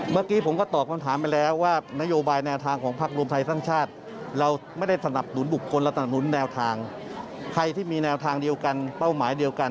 เบาะแว้งไม่ต้องการความแตกแยกแล้ว